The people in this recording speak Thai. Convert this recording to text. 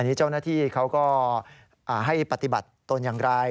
นี่เจ้าหน้าที่เขาก็ให้ปฏิบัติตนอย่างไร